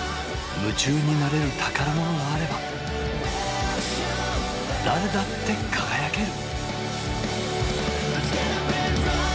夢中になれる宝物があれば誰だって輝ける！